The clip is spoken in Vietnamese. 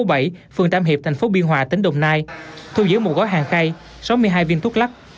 tp tam hiệp tp biên hòa tỉnh đồng nai thu giữ một gói hàng khay sáu mươi hai viên thuốc lắc